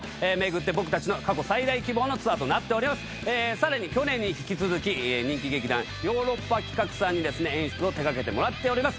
さらに去年に引き続き人気劇団ヨーロッパ企画さんにですね演出を手がけてもらっております